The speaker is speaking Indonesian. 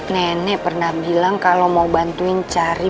nenek pernah bilang kalau mau bantuin cari